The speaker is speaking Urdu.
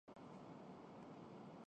تو ان کے کفر میں کس کو شک ہوگا